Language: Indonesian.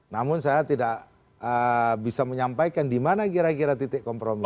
namun saya tidak bisa menyampaikan di mana kira kira titik kompromi